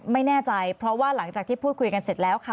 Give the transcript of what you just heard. ไม่แน่ใจเพราะว่าหลังจากที่พูดคุยกันเสร็จแล้วค่ะ